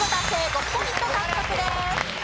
５ポイント獲得です。